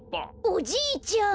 おじいちゃん。